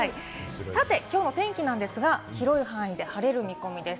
さて、きょうの天気なんですが、広い範囲で晴れる見込みです。